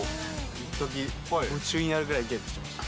いっとき、夢中になるぐらいゲームしてました。